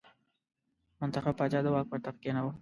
منتخب پاچا د واک پر تخت کېناوه.